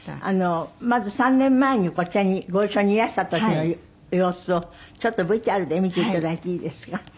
まず３年前にこちらにご一緒にいらした時の様子をちょっとＶＴＲで見て頂いていいですか？